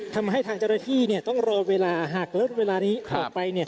ทำให้ทางเจรภีต้องรอเวลาหากรถเวลานี้ออกไป